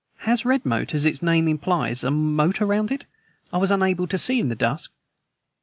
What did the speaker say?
"Has Redmoat, as its name implies, a moat round it? I was unable to see in the dusk."